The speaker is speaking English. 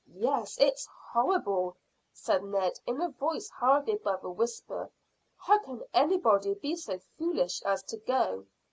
"Yes, it is horrible," said Ned, in a voice hardly above a whisper. "How can anybody be so foolish as to go?"